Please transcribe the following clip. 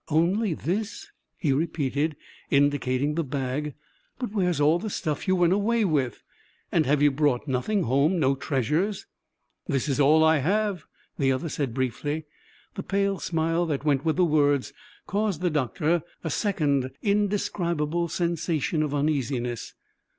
"Only this?" he repeated, indicating the bag. "But where's all the stuff you went away with? And have you brought nothing home no treasures?" "This is all I have," the other said briefly. The pale smile that went with the words caused the doctor a second indescribable sensation of uneasiness.